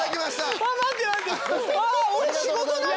あ待って待って。